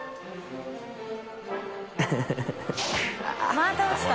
また落ちた。